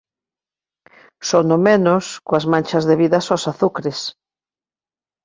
Sono menos coas manchas debidas aos azucres.